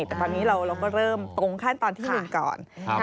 แต่ตอนนี้เราก็เริ่มตรงขั้นตอนที่๑ก่อน